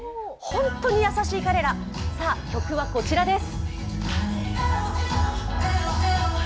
本当に優しい彼ら、曲はこちらです。